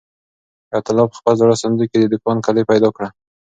حیات الله په خپل زاړه صندوق کې د دوکان کلۍ پیدا کړه.